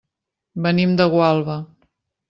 Venim de Gualba.